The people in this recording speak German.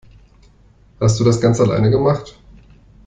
Hast du das ganz alleine gemacht?